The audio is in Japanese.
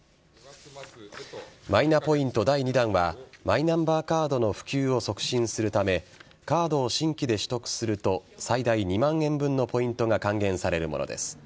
マイナポイント第２弾はマイナンバーカードの普及を促進するためカードを新規で取得すると最大２万円分のポイントが還元されるものです。